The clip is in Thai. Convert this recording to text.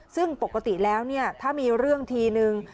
ซึ่งปกติแล้วถ้ามีเรื่องทีนึง